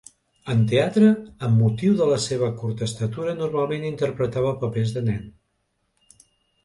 En teatre, amb motiu de la seva curta estatura normalment interpretava papers de nen.